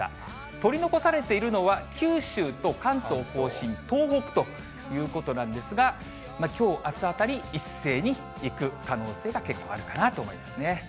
取り残されているのは、九州と関東甲信、東北ということなんですが、きょう、あすあたり、一斉にいく可能性が結構あるかなと思いますね。